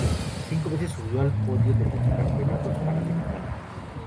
Cinco veces subió al podio de los Campeonatos Panamericanos.